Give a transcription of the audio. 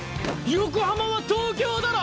横浜は東京だろ！